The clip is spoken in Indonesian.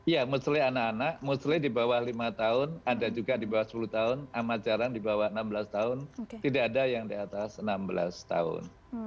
ya musley anak anak muslim di bawah lima tahun ada juga di bawah sepuluh tahun amat jarang di bawah enam belas tahun tidak ada yang di atas enam belas tahun